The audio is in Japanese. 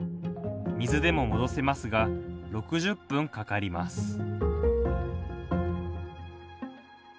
水でも戻せますが６０分かかります。